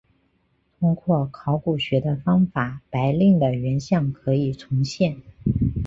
通过考古学的方法白令的原像可以重现。